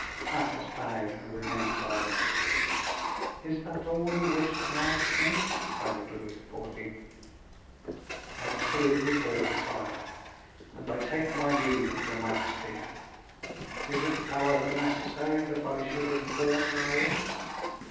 Athos bowed, and remained silent. "Is that all you wished to ask me?" added Louis XIV. "Absolutely all, sire; and I take my leave of your majesty. Is it, however, necessary that I should inform Raoul?"